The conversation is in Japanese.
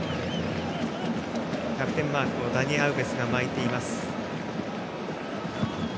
キャプテンマークをダニ・アウベスが巻いています。